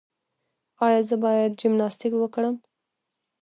ایا زه باید جمناسټیک وکړم؟